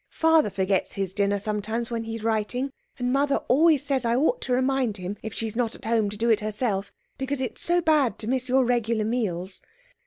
Father forgets his dinner sometimes when he's writing, and Mother always says I ought to remind him if she's not at home to do it herself, because it's so bad to miss your regular meals.